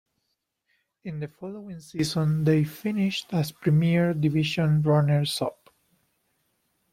In the following season they finished as Premier Division runners-up.